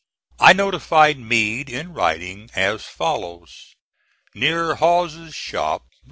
I notified Meade, in writing, as follows: NEAR HAWES' SHOP, VA.